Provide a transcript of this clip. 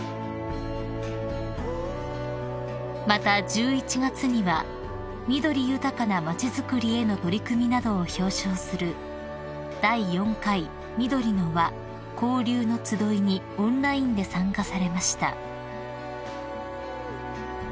［また１１月には緑豊かな町づくりへの取り組みなどを表彰する第４回「みどりの『わ』交流のつどい」にオンラインで参加されました］